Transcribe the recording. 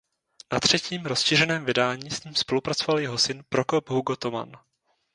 Na třetím rozšířeném vydání s ním spolupracoval jeho syn Prokop Hugo Toman.